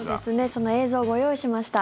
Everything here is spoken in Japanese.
その映像ご用意しました。